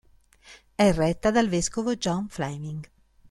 È retta dal vescovo John Fleming.